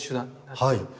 はい。